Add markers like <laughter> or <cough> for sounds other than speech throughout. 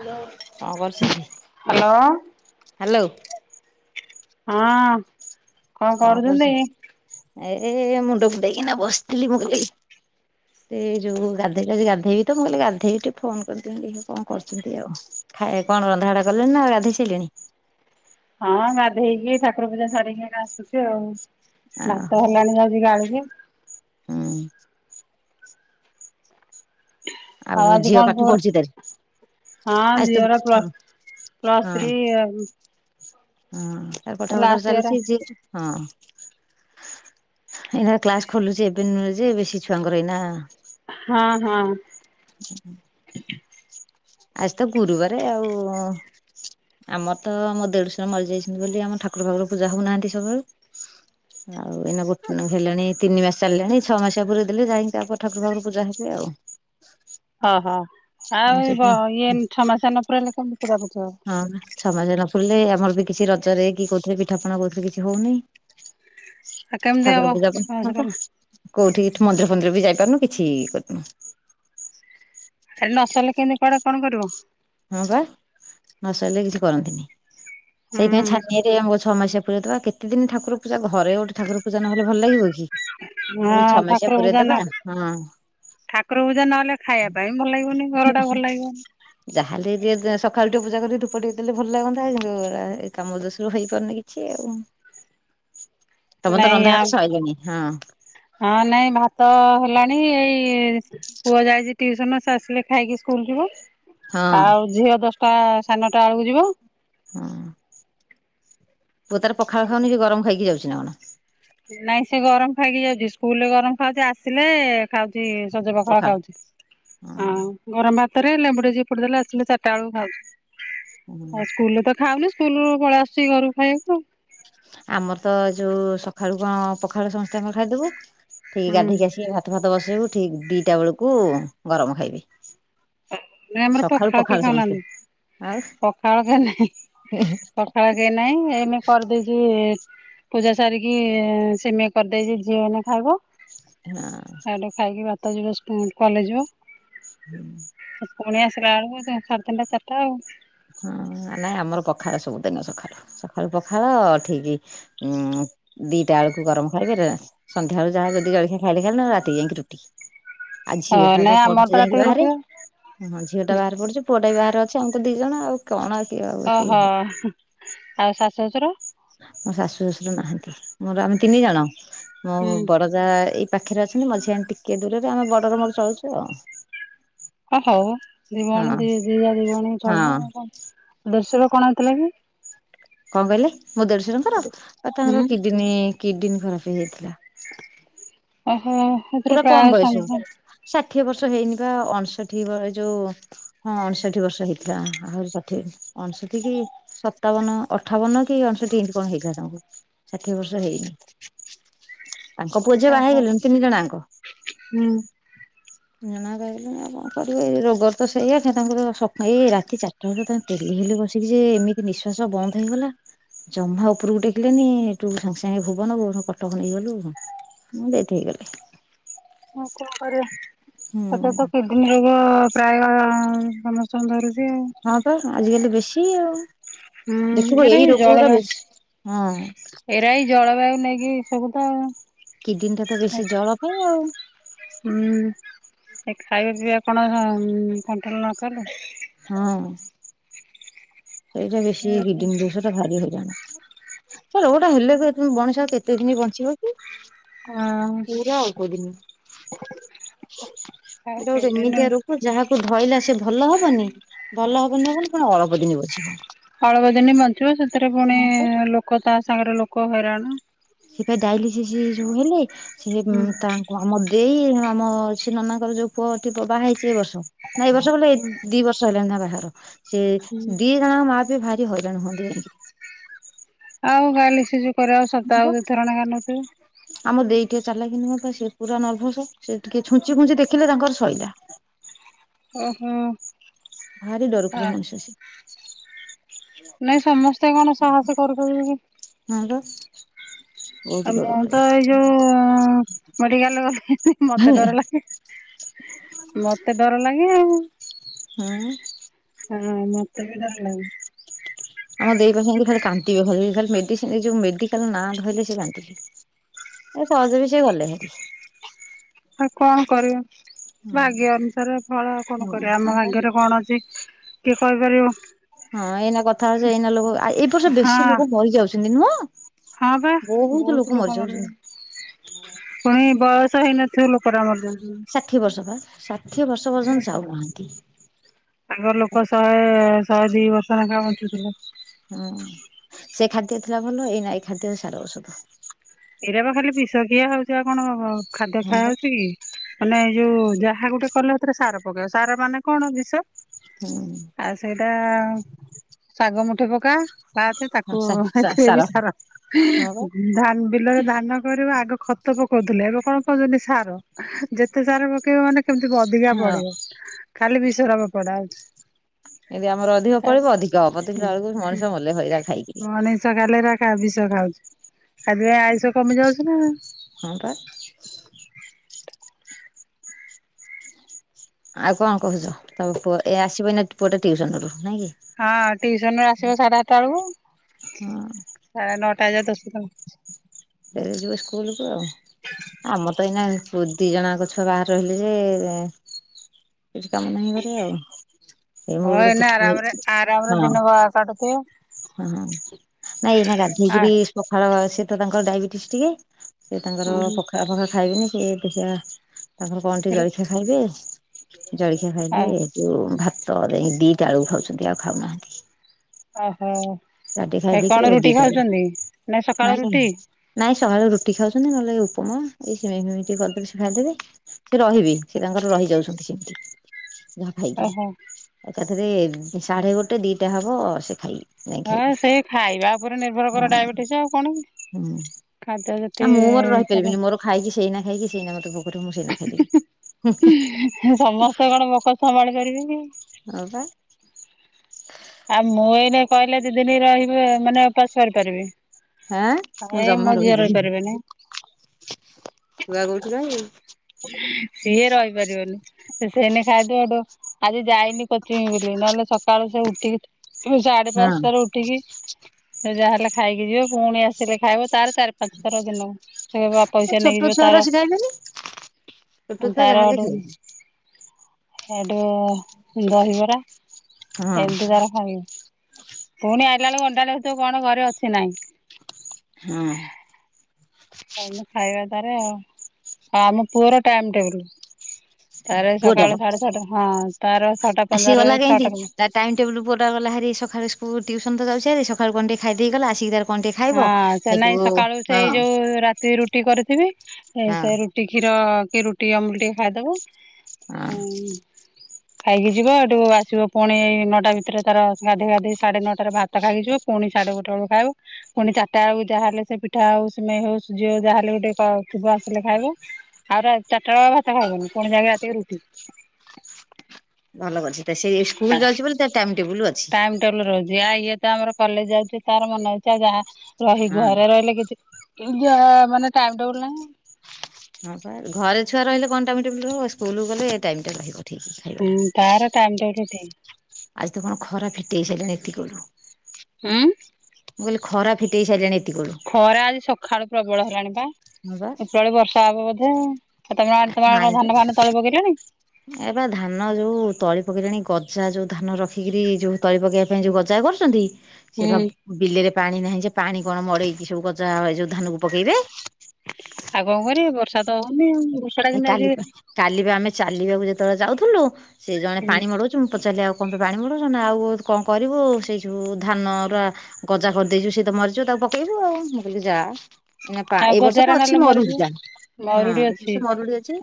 Hello. କଣ କରୁଛୁ? Hello. ହଁ। କଣ କରୁଛୁ? ଏ ମୁଣ୍ଡ କୁଣ୍ଡେଇକିନା ବସିଥିଲି ମୁଁକି ସେଇ ଯୋଉ ଗାଧୋଇ ଗାଧୋଇବି ତ ମୁଁ କହିଲି ଗାଧୋଇବି ଟିକେ ଫୋନ କରିଥିଲ କଣ କରୁଛନ୍ତି ଆଉ। ଖାଇଏ କଣ ରନ୍ଧାବଢ଼ା କଲେଣି ଆଉ ଗାଧେଇ ସାରିଲେଣି? ହଁ ଗଧେଇକି ଠାକୁର ପୂଜା ସାରିକି ଆସୁଛି ଆଉ। ଆ ଭାତ ହେଲାଣି ଯାଉ ଗାଳିବି। ହଁ। ଆଉ ଆଜି କଣ ଝିଅ ପାଠ ପୁଅର ପଢୁଛି ତାହେଲେ? ହଁ ଝିଅର ପ୍ଲସ୍, ପ୍ଲସ ହଁ। ଥ୍ରୀ ହଁ, ତା ପାଠ ପଢା ଲାଷ୍ଟ ଇୟର ଚାଲିଚି, ଯିଏକି ହଁ। ଏଇନା କ୍ଲାସ ଖୋଲୁଚି, ଏବେ ନୂଆ ଯେ ବେଶୀ ଛୁଆଙ୍କର ଏଇନା ହଁ ହଁ। <unintelligible> ଆଜି ତ ଗୁରୁବାର ଆଉ ଆମର ତ, ମୋ ଦେଢ଼ସୁର ମରିଯାଇଚନ୍ତି ବୋଲି, ଆମ ଠାକୁର ଫାକୁର ପୂଜା ହଉନାହାନ୍ତି ସକାଳୁ। ଆଉ ଏଇନା ଗୋଟ ହେଲେଣି ତିନି ମାସ ଚାଲିଲାଣି, ଛଅ ମାସିଆ ପୁରେଇ ଦେଲେ, ଯାଇକି ତାପରେ ଠାକୁର ଫାକୁର ପୂଜା ହେବେ ଆଉ। ଓହୋ, ଆଉ ହଁ ସେଠି ଇଏ ଛମାସିଆ ନ ପୁରେଇଲେ କେମିତିି ପୂଜାପୁଜି ହବ? ହଁ, ଛ ମାସିଆ ନ ପୁରିଲେ, ଆମର ବି କିଛି ରଜରେ କି କୋଉଥିରେ ପିଠା ପଣା କୋଉଥିରେ କିଛି ହଉନେଇ। ଆଉ କେମିତି ହବ ଠାକୁର ପୂଜା ଛଅ ମାସ କେମିତି ପରେ ହବ? କୋଉଠି ଏଠି ମନ୍ଦିର ଫନ୍ଦିର ବି ଯାଇପାରୁନୁ, କିଛି କରିନୁ। ହେରେ ନସରିଲେ, କେମିତି କୁଆଡେ କଣ କରିବ? ହଁ ପା, ନ ସରିଲେ କିଛି କରନ୍ତିନି, ସେଇଥିପାଇଁ ହୁଁ ଛାନିଆରେ ଆ <unintelligible> ଛ ମାସ ପୁରେଇ ଦେବା, କେତେଦିନି ଠାକୁର ପୂଜା, ଘରେ ଗୋଟେ ଠାକୁର ପୂଜା ନହଲେ ଭଲ ଲାଗିବ କି? ମୁଁ କହିଲି, ହଁ ଛ ମାସିଆ ଠାକୁର ପୁରେଇ ପୂଜା ନ ଦବା, ହଁ। ଠାକୁର ପୂଜା ନହେଲେ, ଖାଇବା ପାଇଁ ଭଲ ଲାଗିବନି, ଘର ଟା ଭଲ ଲାଗିବନି। ଯାହେଲେ ସକାଳୁ ଟିକେ ପୂଜା କରିିକି ଧୂପ ଟିକେ ଦେଲେ ଭଲ ଲାଗନ୍ତା, କାମ ଦୋସୁରୁ ହେଇପାରୁନି କି ଛି ଆଉ, ତମର ତ ନାଇଁ ଆ ରନ୍ଧାବଢ଼ା ସଇଲାଣି। ହଁ। ହଁ ନାଇଁ, ଭାତ ହେଲାଣି, ଏଇ ପୁଅ ଯାଇଚି ଟିଉସନ, ସେ ଆସିଲେ ଖାଇକି ସ୍କୁଲ ଯିବ। ହଁ ଆଉ ଝିଅ ଦଶଟା, ସାଢେ ନଅଟା ବେଳକୁ ଯିବ। ହଁ। ପୁଅ ତାର ପଖାଳ ଖାଉନିକି, ଗରମ ଖାଇକି ଯାଉଚି ନା କଣ? ନାଇଁ ସେ ଗରମ ଖାଇକି ଯାଉଚି, ସ୍କୁଲ ରେ ଗରମ ଖାଉଚି, ଆସିଲେ ଖାଉଚି, ସଜ ପଖାଳ ଖାଉଚି, ଆଉ ହଁ ଗରମ ଭାତରେ ଲେମ୍ବୁଟେ ଚିପୁଡ଼ି ଦେଲେ ଆସିଲେ ଚାରିଟା ବେଳକୁ ଖାଉଚି, ଆଉ ସ୍କୁଲରେ ତ ଖାଉନି, ସ୍କୁଲରୁ ପଳେଇ ଆସୁଛି ଘରକୁ ଖାଇବାକୁ ଆଉ। ଆମର ତ ଯୋଉ ସକାଳୁ କଣ ପଖାଳୁ ସମସ୍ତେଙ୍କର ଖାଇଦବୁ, ଠିକ୍ ହୁଁ ଗାଧେଇକି ଆସିକି ଭାତ ଭାତ ଫାତ ବସେଇବୁ, ଠିକ୍ ଦିଟା ବେଳକୁ ଗରମ ଖାଇବେ। ନାଇଁ ଆମର ପଖାଳ କେହି ସମସ୍ତେ ଖାଉନାହାନ୍ତି। ଆଉ ପଖାଳ କେ ନାହିଁ, ପଖାଳ କେ ନାହିଁ, ଏଇନେ କରିଦେଇଚି ପୂଜା ସାରିକି, ସେମେଇ କରିଦେଇଚି, ଝିଅ ଏଇନା ଖାଇବ। ନାଁ। ହେଟୁ ଖାଇକି ଭାତ ଯିବ, ସ୍କୁ କଲେଜ ଯିବ। ହୁଁ। ପୁଣି ଆସିଲା ବେଳକୁ, ସାଢ଼େ ତିନିଟା, ଚାରିଟା ଆଉ ହଁ, ନାଇଁ ଆମର ପଖାଳ ସବୁଦିନ ସକାଳୁ, ସକାଳୁ ପଖାଳ ଠିକି ଉଁ, ଦିଟା ବେଳକୁ ଗରମ ଖାଇବେ, ରା ସନ୍ଧ୍ୟା ଯଦି ଜଳଖଆ ଖାଇଲେ ଖାଇଲେ ରାତିକି ଯାଇକି ରୁଟି। ଆଉ ଅ ଝିଅ ଟା ତ ନାଇଁ ଆମର ପଢୁଚି ଯାଇକି ରାତିକି ବାହାରେ। ରୁଟି ହଁ ଝିଅ ଟା ବାହାର ପଡୁଚି, ପୁଅଟା ବି ବାହାରେ ଅଛି, ଆମକୁ ଦି ଜଣ ଆଉ କଣ କିଏ ଆଉ ଏତିକି ହଉ ହ। ଆଉ ଶାଶୁ ଶ୍ୱଶୁର? ମୋ ଶାଶୁ ଶଶୁର ନାହାନ୍ତି ମୋର ଆମେ ତିନି ଜଣ, ମୋ ହୁଁ ବଡ ଜା ଏଇ ପାଖେରେ ଅଛନ୍ତି ମଝିଆଣି ଟିକେ ଦୂରରେ ଆମେ ବଡର ମୋର ଚଳୁଚୁ ଆଉ। ଓ ହଉ ହଁ ଦୀଭଣୀ ଦି ଦି ଜା ଦୀ ଭଣୀ ଚଳିବ ହଁ ଆ <unintelligible> କଣ ହେଇଥିଲା କି? କଣ କହିଲେ ମୋ ଦେଢଶୁର ଙ୍କର ତାଙ୍କର ଆଉ ହୁଁ ତାଙ୍କର କିଡିନୀ-କିଡିନୀ ଖରାପେ ହେଇଯାଇଥିଲା। ଓହୋ। ଏଥିରେ ପୁରା କମ୍ ପ୍ରାୟ ବୟସ ସମ ଷାଠିଏ ବର୍ଷ ହେଇନି ବା ଅଣଷଠି ବ ଏଯୋଉ ହଁ ଅଣଷଠି ବର୍ଷ ହେଇଥିଲା ଆହୁରି ଷାଠିଏ ଅଣଷଠି କି ସତାବନ ଅଠାବନ କି ଅଣଷଠି ଏନ୍ତି କଣ ହେଇଥିଲା ତାଙ୍କୁ ଷାଠିଏ ବର୍ଷ ହେଇନି। ତାଙ୍କ ପୁଅ ଝିଅ ବାହା ଓହୋ ହେଇଗଲେଣି ତିନି ଜଣ ଯାଙ୍କ। ହୁଁ। ଜଣା <unintelligible> ଆଉ କଣ କରିବ ଏଇ ରୋଗର ତ ସେଇଆ ତାଙ୍କର <unintelligible> ଏଇ ରାତି ଚାରି ତାଙ୍କ ପେଲି ହେଲେ ବସିକି ଯେ ଏମିତି ନିଶ୍ୱାସ ବନ୍ଦ ହେଇଗଲା ଜମା ଉପରକୁ ଟେକିଲେନି <unintelligible> ସାଙ୍ଗେସାଙ୍ଗେ ଭୁବନ ଭୁବନରୁ କଟକ ନେଇଗଲୁ। <unintelligible> ଡେଥ୍ ହେଇଗଲେ। ହଁ କଣ କରିବା <inaudible> ହୁଁ <unintelligible> ପ୍ରାୟ ସମସ୍ତଙ୍କୁ ଧରୁଚି ଆଉ। ହଁ ପା ଆଜିକାଲି ବେଶୀ ଆଉ, ହୁଁ ଦେଖିବ ଏରା ଏଇ ରୋଗଗୁରା ଜଳବାୟୁ ବେଶୀ ହଁ। ଏରା ଏଇ ଜଳବାୟୁ ନେଇକି ଏସବୁ ତ ଆଉ। କିଡିନ୍ ଟା ତ ବେଶୀ ଜଳ ପାଇଁ ଆଉ। ହୁଁ ଏ ଖାଇବା ପିଇବା କଣ କଣ୍ଟ୍ରୋଲ୍ ନକଲେ ହଁ। ସେଇଟା ବେଶୀ ଏଇ ହଁ କିଡ଼ନ୍ ଦୋଷ ର ଭାରି ହେଇରାଣ, ସେ ରୋଗଟା ହେଲେ ମଣିଷା ଆଉ କେତେ ଦିନ ବଞ୍ଚିବ କି। ଆଉ ପୁରା ଅଳ୍ପ ଦିନି, ଏଇଟା ଗୋଟା କେତେଦିନ ଏମିତିଆ ରୋ ଯାହାକୁ ଧଇଲା ସେ ଭଲ ହବନି, ଭଲ ହବନି-ହବନି ପୁଣି ଅଳପ ଦିନି ବଞ୍ଚିବ। ଅଳପ ଦିନ ବଞ୍ଚିବ ସେଥିରେ ପୁଣି ଲୋକ ତା ସାଙ୍ଗେରେ ଲୋକ ହଇରାଣ ସେ ପା ଡାଇଲିସିସ୍ ଯୋଉ ହେଲେ ସେ ହୁଁ ତା ଆମ ଦେଇ ଆମ ଅ ସେ ନନାଙ୍କର ଯୋଉ ପୁଅଟି ବାହା ହେଇଚି ଏ ବର୍ଷ ନା ଏ ବର୍ଷ <unintelligible> ଦି ବର୍ଷ ହେଲାଣି ତାଙ୍କ ବାହାଘର, ସେ ଦି ଜଣ ମା ବି ଭାରି ହଇରାଣ ହୁଅନ୍ତି <unintelligible> ଆଉ ଡାଇଲିସିସ୍ କରିଆକୁ ସପ୍ତାହକୁ ଦୁଇଥର ନେଖା ନେବେ। ଆମର ଦେଇ ଟିକେ ଚାଲାକି ବା ସେ ପୁରା ନର୍ଭସ, ସେ ଟିକେ ଛୁଞ୍ଚି ଫୁଞ୍ଚି ଦେଖିଲେ ତାଙ୍କର ସଇଲା। ଓହୋ। ଭାରି ହଁ ଡରକୁୁରା ମଣିଷ ସେ। ନାଇଁ ସମସ୍ତେ କଣ ସାହସ କରିପାରିବେ କି। ହଁ ବା। ବହୁତ ଆ ମୁଁ ଡରୁକୁରା ତ ଏଇ ଯୋଉ ମେଡିକାଲ୍ ଗଲେ ବି ମତେ ଡର ଲାଗେ। ମତେ ଡର ଲାଗେ ଆଉ। ହୁଁ। ହଁ ମତେ ବି ଡର ଲାଗେ। ଆମର ଦେଇ ବା ଖାଲି କାନ୍ଦିବ ଖାଲି, ଖାଲି ମେଡ଼ିସିନ୍ ଏଯୋଉ ମେଡିକାଲ୍ ନାଁ ଧଇଲେ ସେ କାନ୍ଦିବ। ଏ ସହଜ ବି ସେ ଗଲେ ହାରି। ଆଉ କଣ କରିବ ଭାଗ୍ୟ ହୁଁ ଅନୁସାରେ ଫଳ ଆଉ କଣ ହଁ କରିବା ଆମ ପା। ଭାଗ୍ୟରେ କଣ ଅଛି କିଏ କହିପାରିବ। ହଁ ଏଇନା କଥା ହେଉଚେ ଏଇନା ଲୋକ ଏଇ ବର୍ଷ ହଁ ବେଶୀ ଲୋକ ମରି ଯାଉଛନ୍ତି ନୁହଁ? ହଁ ବା ବହୁତ ଲୋକ ମରିଗ ପୁଣି ବୟସ ହେଇନଥିବ ଲୋକଟା ମାରୁଛନ୍ତି। ଷାଠିଏ ବର୍ଷ ବା ଷାଠିଏ ବର୍ଷ ପର୍ଯ୍ୟନ୍ତ ଯାଉନାହାନ୍ତି। ତାଙ୍କ ଲୋକ ଶହେ ଶହେ ଦି ବର୍ଷ ଲେଖା ବଞ୍ଚୁଥିଲେ, ହୁଁ ସେ ଖାଦ୍ୟ ଥିଲା ଭଲ, ଏଇ ନା ଏଇ ଖାଦ୍ୟ ସାର ଔଷଧ। ଏଇରା ବା ଖାଲି ବିଷଖିଆ ହଉଛି ଆଉ କଣ ଖାଦ୍ୟ ହଁ ଖିଆ ପା ହଉଛି କି? ମାନେ ଏଇ ଯୋଉ ଯାହା ଗୋଟେ କଲେ ସାର ପକେଇବା ସାର ମାନେ କଣ ବିଷ। ହୁଁ, ଆଉ ସେଇଟା ଶାଗ ମୁଠି ପକା, <unintelligible> ହଁ ତାକୁ ସା ସା ଏଥିରେ ବି ହଁ ସାର ପା ହଁ ଧାନ ବିଲରେ ଧାନ <unintelligible> ଆଗ ଖତ ପକଉଥିଲେ ଏବେ କଣ କହୁଛନ୍ତି ସାର, ଯେତେ ସାର ପକେଇବ ମାନେ କେମିତି ଅଧିକା ପଡିବ ଖାଲି ବିଷରମ ପଡା ହଉଛି। କେମିତି ଆମର ଅଧିକ ଫଳିବ ଅଧିକ ହବ, ଦେଖିଲା ବେଳକୁ ମଣିଷ ମଲେ ହଇରା ଖାଇକି। <unintelligible> ଖାଇଲେ ବିଷ ଖାଉଛି ସେଥିପାଇଁ ଆୟୁଷ କମି ଯାଉଛି ନା, ହଁ, ବା। ଆଉ କଣ କହୁଛ ତ ଏ ଆସିବ ଅଇନା ପୁଅ ଟିଉସନରୁୁ ନାଇଁ କି? ହଁ ଟିଉସନ ରୁ ଆସିବ ସାଢ଼େ ଆଠା ବେଳକୁ, ହଁ ସାଢେ ନଅଟା ଯାଏ <unintelligible> <unintelligible> ଆମର ତ ଏଇନା ଦୁଇ ଜଣଙ୍କ ଛୁଆ ବାହାରେ ରହିଲେ ଯେ, କିଛି କାମ ନାହିଁ ଘରେ ଆଉ। ଏ ଗ ହଁ ଏଇନା ଆରାମରେ <unintelligible> ଆରାମରେ ହଁ, ଦିନ କାଟୁଥିବ ହଁ, ହଁ। ନାଇଁ ଏଇନା ଆ ଗାଧେଇକିରି ପଖାଳ ସ ତ ତାଙ୍କର ଡାଇବେଟିସ ଟିକେ ସେଏ ତାଙ୍କର ହୁଁ ପଖାଳ ଫଖାଳ ଖାଇବେନି ସିଏ ଦେଖିବା ତାଙ୍କର କଣ ଟିକେ ଜଳଖିଆ ଖାଇବେ, ଜଳଖିଆ ଖାଇଲେ ଯୋଉ ଭାତ ଦିଟା ବେଳକୁ ଖାଉଛନ୍ତି ଆଉ ଖାଉନାହାନ୍ତି। ଓହୋ ରାତି ଖାଇ କାହିଁ ଦେଇକିରି କଣ ରୁଟି ଦିଟା ବେଳକୁ ଖାଉଛନ୍ତି? ନାଇ ସକାଳ ନାଇଁ ରୁଟି। ନାଇଁ ସକାଳୁ ରୁଟି ଖାଉଛନ୍ତି। ନହେଲେ ଗଉପମା ଏଇ ସିମେଇି ଟିକେ କରିଦେଲେ ସେ ଖାଇଦେବେ। ସେ ରହିବି, ସେ ତାଙ୍କର ରହିଯାଉଛନ୍ତି ସେମିତି, ଯାହା ଖାଇକିରି ଓହୋ ଏକାଥରେ ସାଢେ ଗୋଟେ ଦିଟା ହବ ସେ ଖାଇବେ। <unintelligible> ସେ ଖାଇବା ଉପରେ ନିର୍ଭର କର ହଁ ଡାଇବେଟିସ ଆଉ କଣ ହୁଁ ଖାଦ୍ୟ ଆ ଯେତେ ମୁଁ ମୋର ଚାଲ ରହିପାରିବିନି ମୋର ଖାଇକି ସେଇ ନା ଖାଇକି ସେଇ ନା ମୋତ <unintelligible> ମୁଁ ସେଇ ନା ସମସ୍ତେ କଣ ଭୋକ ସମ୍ଭାଳି ପାରିବେ କି? ହଁ, ବା। ଆଉ ମୁଁ ଏଇନା କହିଲେ ଦିଦିନ ରହିବି ମାନେ ଉପାସ କରିପାରିବି। ହଁ ମୁଁ ଏ ମୋ ଝିଅ ରହି ପାରିବେନି। କୁଆ କହୁଛି <unintelligible> ସିଏ ରହିପାରିବନି? ସେ ସେନେଇ ଖାଇ ଆଜି ଯାଇନି କଅଥିବି ବୋଲି ନହେଲେ ସକାଳୁ ସେ ଉଠିକି <unintelligible> ଏ ସାଢେ ହଁ ପାଞ୍ଚଟାରେ ଉଠିକି ଯାହାହେଲେ ଖାଇକି ଯିବ ପୁଣି ଆସି ସେ ଖାଇବ ତାର ଚାରି ପାଞ୍ଚ ଥର ଦିନକୁ ସେବା ପଇସା ନେଇକି ଯିବ ତାର ଆଇଲେନି। ତାର ଏଠୁ, ସେଠୁ ଦହିବରା ହଁ ଏମିତି ତାର ଖାଇବ, ପୁଣି ଆଇଲା ବଳକୁ ଅଣ୍ଡାଳିବ କଣ ଘରେ ଅଛି ନାହିଁ? ହଁ, ଖାଇବା ତାର, ଆଉ ଆମ ପୁଅର ଟାଇମ ଟେବୁଲ। ତାର ପୁଅଟାର ସକାଳେ ସାଢେ ଛଅଟା ହଁ ତାର ଛଅଟା ପନ୍ଦରରେ ଛଅଟା ଟାଇମ୍ ଟେବୁଲ୍ ପୁଅଟା ଗଲା ହାରି ସକାଳୁ ସ୍କୁଲ୍ ଟ୍ୟୁସନ ତଯାଉଚି ହାରି ସକାଳୁ କଣଟିକେ ଖାଇ ଦେଇ ଗଲା ଆସିକି ତା ହଁ ସେନାଇଁ ସକାଳୁ ସେଇ ଯୋଉ ରା ରୁଟି କରିଥିବି ହଁ ସେରୁଟି କ୍ଷୀର କିରୁଟି ଅମୁଲୁ ଟିକେ ଖାଇଦବୁ ହୁଁ। ଖାଇକି ଯିବ ଏଠୁ ଆସିବ ପୁଣି ନଅଟା ଭିତରେ ତାର ଗାଧୋଇ ଗାଧୋଇ ସାଢେ ନଅଟା ତାର ଭାତ ଖାଇକିଯିବ ପୁଣି ସଢେ ଗୋଟେ ବେଳକୁ ଖାଇବ ପୁଣି ଚାରିଟା ବେଳେ ଯାହା ହେଲେ ସେପିଠା ହଉ ସିମେଇ ହଉ ସୁଜି ହଉ ଯାହାହେଲେ ଗୋଟେ କ ଥିବ ଆସିଲେ ଖାଇବ ଆଉ ଚିରିଟା ବେଳେ ଆଉ ଭାତ ଖାଇବନି ପୁଣି ଯାଇକି ରାତିକି ରୁଟି। ଭଲ କରିଚି ସେସ୍କୁଲ୍ ଯାଉଚି ବୋଲି ତା ଟାଇମ୍ ଟେବୁଲ୍ ଅଛି। ଟାଇମ୍ ଟେବୁଲ୍ ରହୁଚି ଆଉ ଇଏତ ଆମର କଲେଜ୍ ଯାଉଚି ତାର ମନେ ଅଉଚି ଯାହା ରହି ହଁ। ଘରେ ରହିଲେ କିଛି ଯା ମାନେ ଟାଇମ୍ ଟେବୁଲ୍ ନାହିଁ। ହଁ ପା ଘରେ ଛୁଆ ରହିଲେ କଣ ଟାଇମ୍ ଟେବୁଲ୍ ହବ ସ୍କୁଲକୁ ଗଲେ ଏଟାଇମଟା ରହିବ। ଠିକ୍ ହୁଁ ଖାଇବାଟା। ତାର ଟାଇମ୍ ଟେବୁଲ୍ ଠିକ୍। ଆଜିତ କଣ ଖରା ଫିଟେଇସାଇଲାଣି ଏତିକି ଏଳୁ। ହୁଁ। ମୁଁ କହିଲି ଖରା ଫିଟେଇ ସାରିଲାଣି ଏତିକୁ ଏଳୁ। ଖରା ଆଜି ସଖାଳୁ ପ୍ରବଳ ହେଲାଣିପା ହଁ ବା ଏଉପରବେଳେ ବର୍ଷା ହବ ବୋଧେ। ଆତମ ଆଡ଼େ ତମରକଣ ଧାନ ଫାନ ତଳି ପକେଇଲେଣି। ଏବା ଧାନ ଯୋଉ ତଳି ପକେଇିଲେଣି ଗଜା ଯୋଉ ଧାନ ରଖିକିରି ଯୋଉ ତଳି ପକେଇବା ପାଇଁ ଯୋଉ ଗଜା କରୁଚନ୍ତି ହୁଁ। ସେବା ବିଲେରେ ପାଣି ନାହିଁଯେ ପାଣି କଣ ମଡ଼େଇକି ସବୁ ଗଜା ଯୋଉ ଧାନକୁ ପକେଇବେ। ଆଉ କଁ କରିବେ ବର୍ଷାତ ହଉନି ଆଉ। ଟା ହେ କିନ୍ତୁ ଆଜି ଉଁ, କାଲିପା କାଲିବି ଆମେ ଚାଲିବାକୁ ଯେତେବେଳେ ଯାଉଥିଲୁ ସେଜଣେ ପାଣି ମଡ଼ୁ ଚୁ ମୁଁ ପଚାରିଲି ଆଉ କଁପାଇଁ ମଡ଼ଉଚ ନାଁଆଉ କଁ କରିବୁ ସେଇଯଉ ଧାନର ଇ ଗଜା କରିଦେଇଚୁ ସେତ ମରିଯିବ ତାକୁ ପକେଇବୁ ଆଉ ମୁଁ କହିଲି ଯା ଏଇନା ପା ଆଉ ଗଜାରେ ବର୍ଷତ ଅଛି ନହେଲେ ମରିଯିବ ମରୁଡ଼ି ଯା ହଁ ମରୁଡି ଅଛି ଏବର୍ଷ ମରୁଡ଼ି ଅଛି।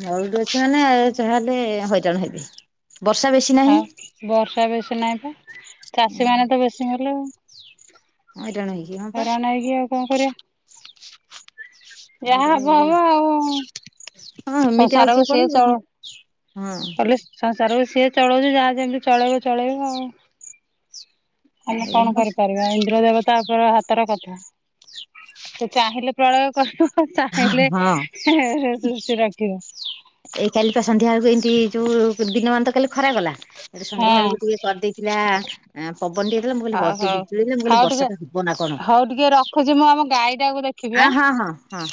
ମରୁଡ଼ି ଅଛି ମାନେ ଯାହାହେଲେ ହଇରାଣ ହେବେ ବର୍ଷା ବେଶୀ ଆଉ ନାହିଁ। ବର୍ଷା ବେଶୀ ନାହିଁପା ହଁ ଚାଷୀ ମାନେତ ବେଶୀ ମଲେ ଆଉ। ହଁରାଣହେ ହଇରାଣ ହେଇକି ଆଉ କଣ କରିବା। ଯାହା ହବ ହବ ଆଉ ହଁ ଏମିତିଆଉି ସଂସାରକୁ କିଏ ସିଏ କୁଆଡେ଼ ଚଳ ଯିବ ହଁ। କହିଲେ ସଂସାରକୁ ସିଏ ଚଳଉଚି ଯାହା ଯେମିତି ଚଳେଇବ ଚଳେଇବ ଆଉ। ଆମେ କଣ କରିପାରିବା ଇନ୍ଦ୍ର ଦେବ ତାପରେ ହାତର କଥା ସେଚାହିଁଲେ ପ୍ରଳୟ କରୁଥିବ ଚାହିଁଲେ ହଁ ସୃଷ୍ଟି ରଖିବ। ଏଇ କାଲିପା ସନ୍ଧ୍ୟା ବେଳକୁ ଏମିତି ଯୋଉ ଦିନମାନତ କାଲି ଖରା କଲା ହଁ ଏସନ୍ଧ୍ୟା ବେଳକୁ ଟିକେ କରିଦେଇି ନାଁ। ଆଁ ପବନ ଟିକେ ଦେଲା ମୁଁ କହିଲି ହଉ ବତ୍ତି ହଉ ବିଜୁଳିଲେ ମୁଁ କହିଲି ହଉ ଟିକେ ବର୍ଷାଟା ହବନା କଣ ହଉ ଟିକେ ରଖୁଛି ମୁଁ ଆମ ଗାଈ ଟାକୁ ଦେଖିବି ଆ ଆଁ। ହଁ ହଁ ହଁ।